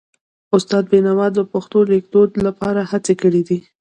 استاد بینوا د پښتو لیکدود لپاره هڅې کړې دي.